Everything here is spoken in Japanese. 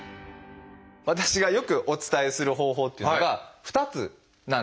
私がよくお伝えする方法というのが２つなんですね。